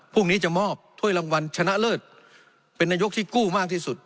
พรุ่งนี้จะมอบถ้วยรางวัลชนะเลิศเป็นนายกที่กู้มากที่สุด